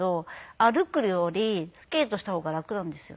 歩くよりスケートした方が楽なんですよ。